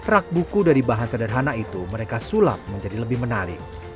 rak buku dari bahan sederhana itu mereka sulap menjadi lebih menarik